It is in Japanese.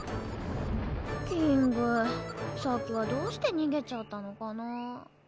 キングさっきはどうして逃げちゃったのかな？